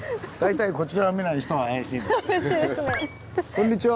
こんにちは！